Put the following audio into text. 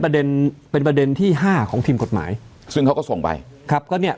ประเด็นเป็นประเด็นที่ห้าของทีมกฎหมายซึ่งเขาก็ส่งไปครับก็เนี้ย